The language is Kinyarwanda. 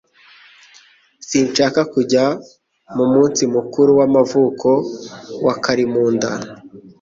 Sinshaka kujya mu munsi mukuru w'amavuko wa Karimunda